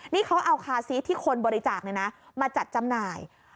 นี่เขาเอาคาซีสที่คนบริจาคมาจัดจำหน่าย